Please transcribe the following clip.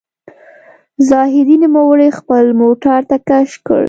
زاهدي نوموړی خپل موټر ته کش کړ.